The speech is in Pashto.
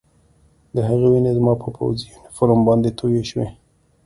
د هغه وینې زما په پوځي یونیفورم باندې تویې شوې